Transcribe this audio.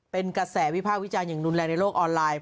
เป็นกระแสวิภาควิจารณ์อย่างรุนแรงในโลกออนไลน์